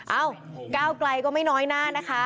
เอ้าก้าวไกลก็ไม่น้อยหน้านะคะ